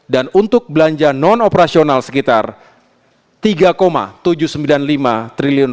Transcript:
dan untuk belanja non operasional sekitar rp tiga tujuh ratus sembilan puluh empat triliun